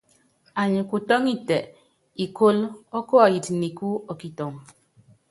Anyi kutɔ́ŋitɛ ikóló ɔ́kuɔyit nikú ɔ́ kitɔŋ.